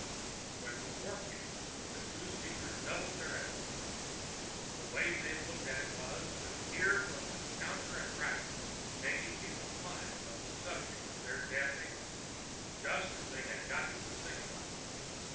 When the War came the two speakers doubled their efforts. The way they looked at it was that here was a counter attraction taking people's minds off the subject of their own damnation just as they had got them to think about it.